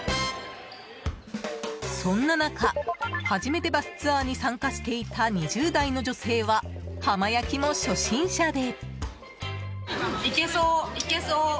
そんな中、初めてバスツアーに参加していた２０代の女性は浜焼きも初心者で。